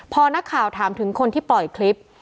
พอนักข่าวถามถึงคนที่ปล่อยคลิป